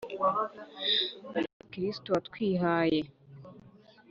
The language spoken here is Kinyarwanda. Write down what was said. muri kristu watwihaye